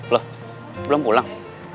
lo belum pulang